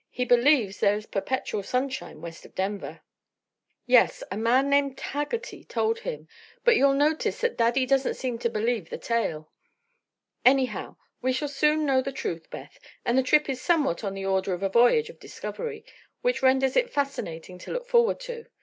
"He believes there is perpetual sunshine west of Denver." "Yes; a man named Haggerty told him. But you'll notice that Daddy doesn't seem to believe the tale. Anyhow, we shall soon know the truth, Beth, and the trip is somewhat on the order of a voyage of discovery, which renders it fascinating to look forward to.